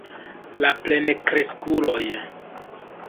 La plenkreskuloj.